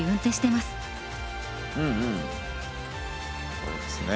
そうですね。